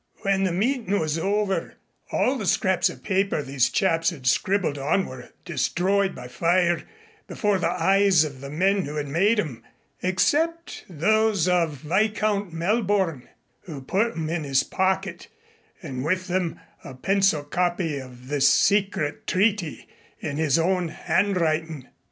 When the meetin' was over all the scraps of paper these chaps had scribbled on were destroyed by fire before the eyes of the men who had made 'em, except those of Viscount Melborne, who put 'em in his pocket, and with them a pencil copy of this secret treaty in his own handwriting.